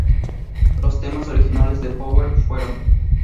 Los temas originales de Powell fueron.